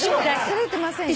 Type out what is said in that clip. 忘れてませんよ。